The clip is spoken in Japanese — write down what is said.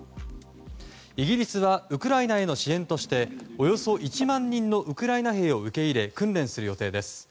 イギリスはウクライナへの支援としておよそ１万人のウクライナ兵を受け入れ訓練する予定です。